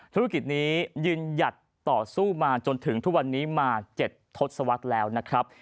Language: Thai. ธุรกิจนี้ยืนหยัดต่อสู้มาจนถึงทุกวันนี้มา๗ทศวรรษแล้วนะครับ